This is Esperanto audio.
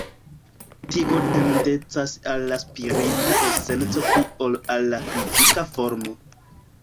Tio tendencas al la spirita esenco pli ol al la fizika formo.